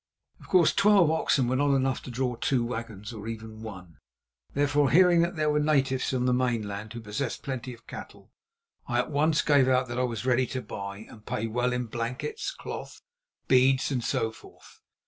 Of course twelve oxen were not enough to draw two wagons, or even one. Therefore, hearing that there were natives on the mainland who possessed plenty of cattle, I at once gave out that I was ready to buy, and pay well in blankets, cloth, beads and so forth.